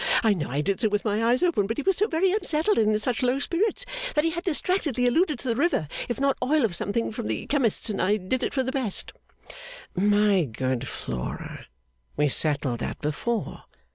I know I did so with my eyes open but he was so very unsettled and in such low spirits that he had distractedly alluded to the river if not oil of something from the chemist's and I did it for the best.' 'My good Flora, we settled that before.